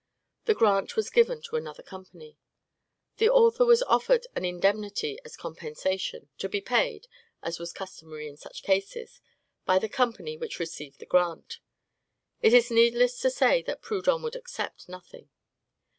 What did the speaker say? The grant was given to another company. The author was offered an indemnity as compensation, to be paid (as was customary in such cases) by the company which received the grant. It is needless to say that Proudhon would accept nothing.